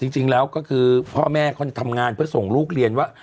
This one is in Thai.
จริงแล้วก็คือพ่อแม่เขาจะทำงานเพื่อส่งลูกเรียนว่า